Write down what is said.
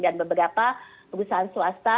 dan beberapa perusahaan swasta